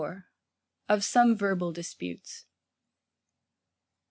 OF SOME VERBAL DISPUTES.